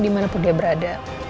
dimanapun dia berada